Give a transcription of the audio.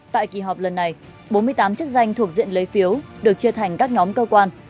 tại kỳ họp lần này bốn mươi tám chức danh thuộc diện lấy phiếu được chia thành các nhóm cơ quan